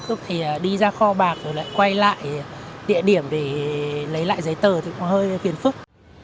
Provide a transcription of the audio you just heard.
lúc thì đi ra kho bạc rồi lại quay lại địa điểm để lấy lại giấy tờ thì cũng hơi phiền phúc